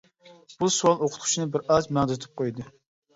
بۇ سوئال ئوقۇتقۇچىنى بىر ئاز مەڭدىتىپ قويدى.